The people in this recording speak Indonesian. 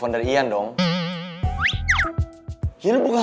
ada yang ngerti tuh